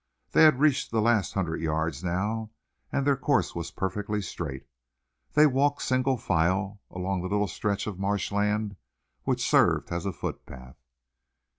They had reached the last hundred yards now, and their course was perfectly straight. They walked single file along the little stretch of marshland which served as a footpath.